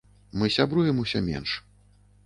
Мы сябруем усё менш.